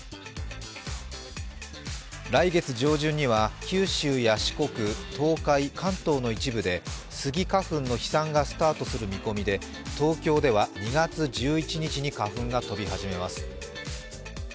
来月上旬には九州や四国東海、関東の一部でスギ花粉の飛散がスタートする見込みで東京では２月１１日に花粉が飛び始めます。